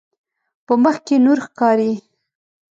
په مخ کې نور ښکاري.